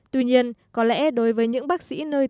tuy nhiên có lẽ đối với những bác sĩ nơi